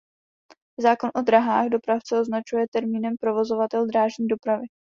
Zákon o dráhách dopravce označuje termínem provozovatel drážní dopravy.